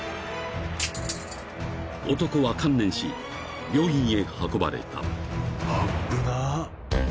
［男は観念し病院へ運ばれた］